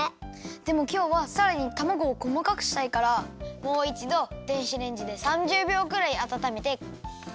でもきょうはさらにたまごをこまかくしたいからもういちど電子レンジで３０びょうくらいあたためて。